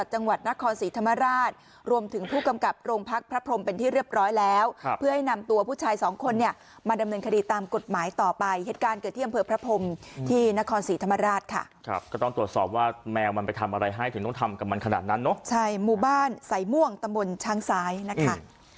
ชายสองคนเนี่ยมาดำเนินคดีตามกฎหมายต่อไปเหตุการณ์เกิดเที่ยงเผลอพระพรหมที่นครศรีธรรมราชค่ะครับก็ต้องตรวจสอบว่าแมวมันไปทำอะไรให้ถึงต้องทำกับมันขนาดนั้นเนาะใช่หมู่บ้านใส่ม่วงตะบลช้างสายนะคะ